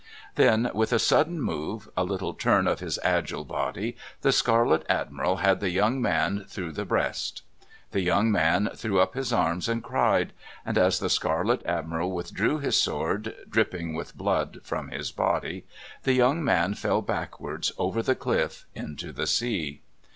Then, with a sudden move, a little turn of his agile body, the Scarlet Admiral had the young man through the breast. The young man threw up his arms and cried; and as the Scarlet Admiral withdrew his sword, dripping with blood from his body, the young man fell backwards over the cliff into the sea.